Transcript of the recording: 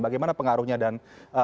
bagaimana pengaruhnya dan